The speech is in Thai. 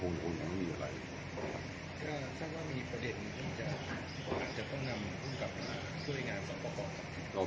อาจจะต้องกำลังลุงกับเมื่อกลับเพลียร์กลับไป